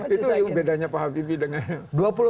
itu bedanya pak habibie dengan